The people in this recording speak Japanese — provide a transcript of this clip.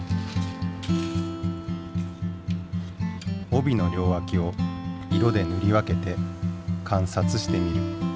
帯の両わきを色でぬり分けて観察してみる。